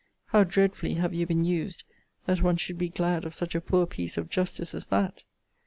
How dreadfully have you been used, that one should be glad of such a poor piece of justice as that!